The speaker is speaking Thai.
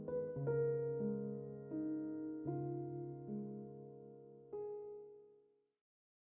โปรดติดตามตอนต่อไป